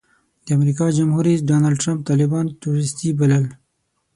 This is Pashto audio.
د امریکا جمهور رئیس ډانلډ ټرمپ طالبان ټروریسټي بلل.